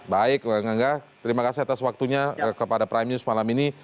baik bang angga terima kasih atas waktunya kepada prime news malam ini